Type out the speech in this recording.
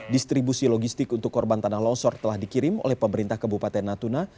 distribusi logistik untuk korban tanah longsor telah dikirim oleh pemerintah kabupaten natuna